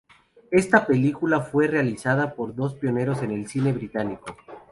Esta película fue realizada por dos pioneros del cine británico.